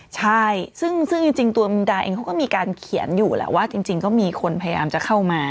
ใช่ซึ่งจริงตัวมุมดาเองเขาก็มีการเขียนอยู่แหละว่าจริงก็มีคนพยายามจะเข้ามา